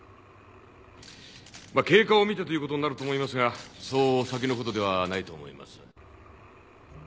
まあ経過を見てということになると思いますがそう先のことではないと思います。